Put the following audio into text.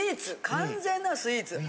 完全なスイーツ。